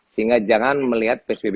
sehingga jangan melihat psbb